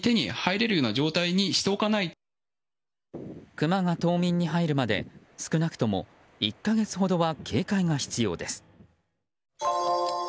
クマが冬眠に入るまで少なくとも１か月ほどは警戒が必要です。